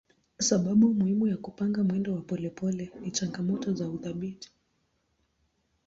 Sababu muhimu ya kupanga mwendo wa polepole ni changamoto za udhibiti.